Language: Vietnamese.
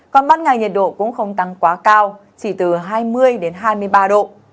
còn ban ngày nhiệt độ cũng không tăng quá cao chỉ từ hai mươi đến hai mươi ba độ